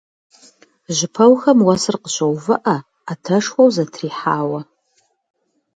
Жьыпэухэм уэсыр къыщоувыӀэ, Ӏэтэшхуэу зэтрихьауэ.